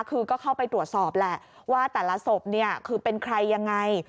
คือก็เข้าไปตรวจสอบแหละว่าแต่ละศพเนี่ยคือเป็นใครยังไง